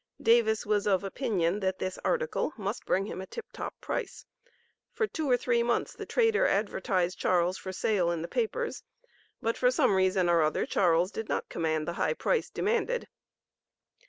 Davis was of opinion that this "article" must bring him a tip top price. For two or three months the trader advertised Charles for sale in the papers, but for some reason or other Charles did not command the high price demanded.